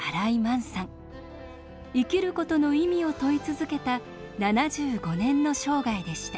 生きることの意味を問い続けた７５年の生涯でした。